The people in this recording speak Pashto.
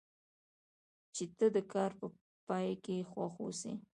چې ته د کار په پای کې خوښ اوسې.